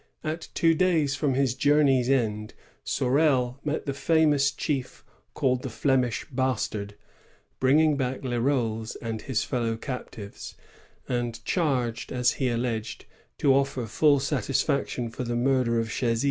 At two days from his journey's end, Sorel met the famous chief called the Flemish Bastard, bringing back Leroles and his fellow captiyes, and charged, as he alleged, to offer full satisfaction for the murder of Chasy.